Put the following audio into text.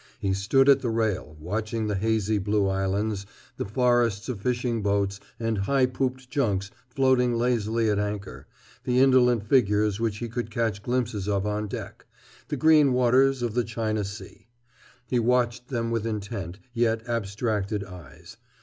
He stood at the rail, watching the hazy blue islands, the forests of fishing boats and high pooped junks floating lazily at anchor, the indolent figures which he could catch glimpses of on deck, the green waters of the China Sea. He watched them with intent, yet abstracted, eyes.